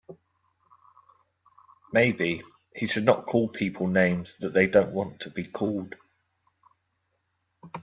Maybe he should not call people names that they don't want to be called.